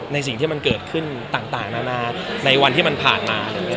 ในสิ่งที่มันเกิดขึ้นต่างนานาในวันที่มันผ่านมาอะไรอย่างเงี้ย